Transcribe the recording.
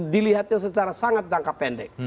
dilihatnya secara sangat jangka pendek